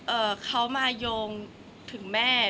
เอ่อเขามาโยงถึงแม่